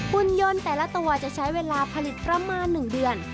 หุ่นยนต์แต่ละตัวจะใช้เวลาผลิตประมาณ๑เดือน